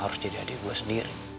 harus jadi adik gue sendiri